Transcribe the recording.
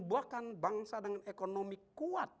bahkan bangsa dengan ekonomi kuat